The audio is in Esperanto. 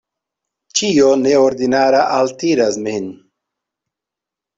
Ĉio neordinara altiras min.